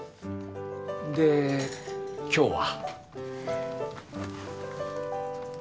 で今日は？